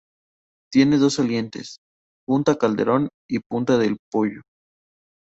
Tiene dos salientes: Punta Calderón y Punta del Poyo.